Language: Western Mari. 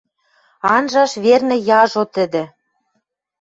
Анжаш, верны, яжо тӹдӹ